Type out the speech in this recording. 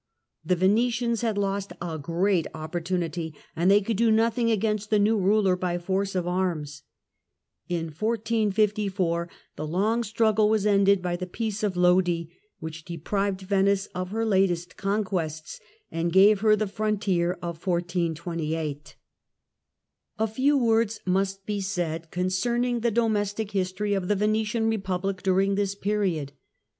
The Venetians had lost a great opportunity and they could do nothing against the new ruler by force of arms. In 1454 the long struggle was Peace of ended by the Peace of Lodi, which deprived Venice °'^^'"^ of her latest conquests and gave her the frontier of 1428. Domestic A few words must be said concerning the domestic v'euke ° history of the Venetian Republic during this period.